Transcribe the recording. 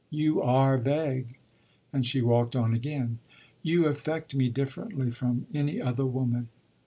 "You are vague!" And she walked on again. "You affect me differently from any other woman."